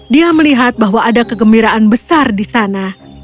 dia melihat bahwa ada kegembiraan besar di sana